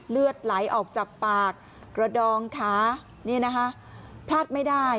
เลือดไหลออกจากปากกระดองขานี่นะคะพลาดไม่ได้